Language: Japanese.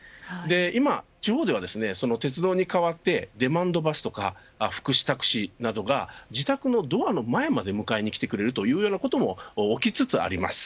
今、地方では鉄道に代わってデマンドバスとか福祉タクシーなどが自宅のドアの前まで迎えにきてくれるということも起きつつあります。